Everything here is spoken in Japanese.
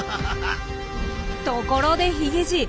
ところでヒゲじい。